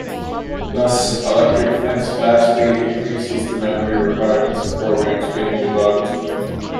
Thus, Electric Fence vastly increases the memory requirements of programs being debugged.